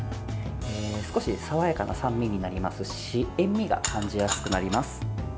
少し爽やかな酸味になりますし塩みが感じやすくなります。